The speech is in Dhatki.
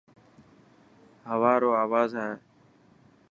هوا رو آواز هي.